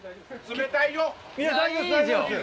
冷たいよ？